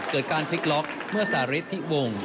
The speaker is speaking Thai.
เกิดการคลิกล็อคเมื่อสารส์ที่วง